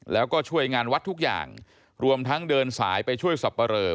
แล้วก็ช่วยงานวัดทุกอย่างรวมทั้งเดินสายไปช่วยสับปะเรอ